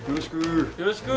よろしく。